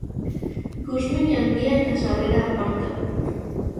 Ikusmin handia eta sarrera aparta.